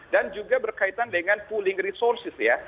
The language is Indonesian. dan juga berkaitan dengan pooling resources ya